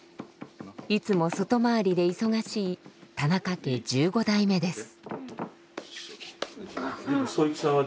いつも外回りで忙しい田中家１５代目です。